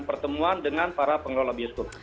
pertemuan dengan para pengelola bioskop